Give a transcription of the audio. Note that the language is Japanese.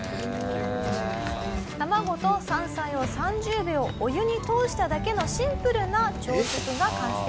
卵と山菜を３０秒お湯に通しただけのシンプルな朝食が完成。